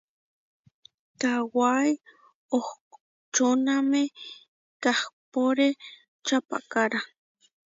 Kawái ohčóname kahpóre čapahkára.